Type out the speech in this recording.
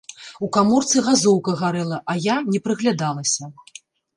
У каморцы газоўка гарэла, а я не прыглядалася.